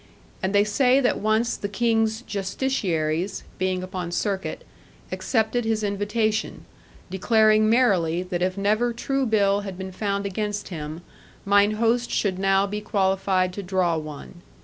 And they say that once the King's Justitiaries, being upon circuit, accepted his invitation, declaring merrily that if never true bill had been found against him, mine host should now be qualified to draw one.